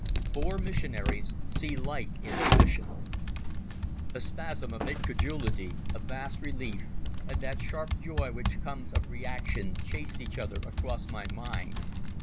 Four Missionaries See Light in their Mission A spasm of incredulity, a vast relief, and that sharp joy which comes of reaction chased each other across my mind.